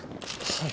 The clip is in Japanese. はい。